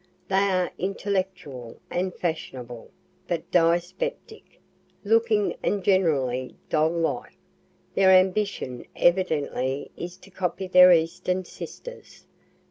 They are "intellectual" and fashionable, but dyspeptic looking and generally doll like; their ambition evidently is to copy their eastern sisters.